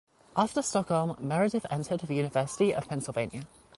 After Stockholm, Meredith entered the University of Pennsylvania.